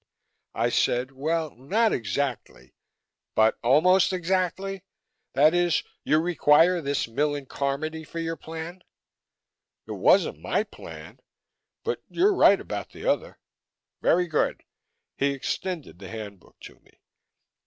I said, "Well, not exactly " "But almost exactly? That is, you require this Millen Carmody for your plan?" "It wasn't my plan. But you're right about the other." "Very good." He extended the Handbook to me.